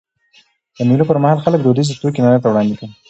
د مېلو پر مهال خلک دودیزي توکي نندارې ته وړاندي کوي.